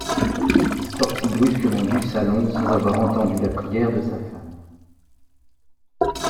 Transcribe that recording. Il sortit brusquement du salon sans avoir entendu la prière de sa femme.